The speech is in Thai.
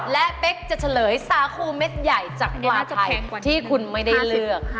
และเป๊กจะเฉลยสาคูเม็ดใหญ่จากราชเพชรที่คุณไม่ได้เลือก